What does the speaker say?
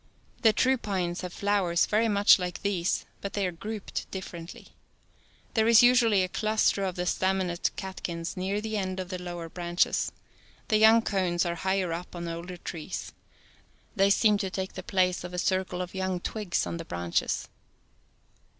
The true pines have flowers very much like these but they are grouped differently. There is usually a cluster of the staminate catkins near the end of the lower branches. The young cones are higher up on older trees. They seem to take the place of a circle of young twigs on the branches.